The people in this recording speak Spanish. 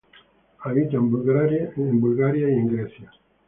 Habita en Bulgaria y Grecia.